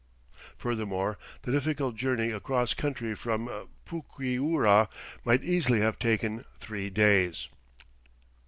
Furthermore, the difficult journey across country from Puquiura might easily have taken "three days."